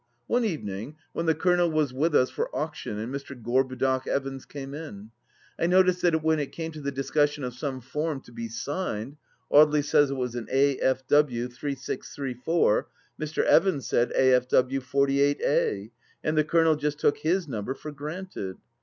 One evening, when the Colonel was with us for Auction and Mr. Gorbudoc Evans came in. I noticed that when it came to the discussion of some form to be signed — ^Audely said it was an A.F.W. 8634 —• Mr. Evans said A.F.W. 48a, and the Colonel just took his number for granted.